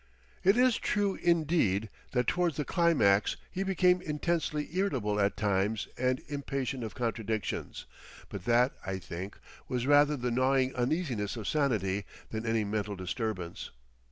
It is true, indeed, that towards the climax he became intensely irritable at times and impatient of contradiction, but that, I think, was rather the gnawing uneasiness of sanity than any mental disturbance.